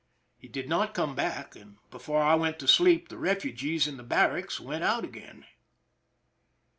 He did not come back, and before I went to sleep the refugees in the barracks went out again.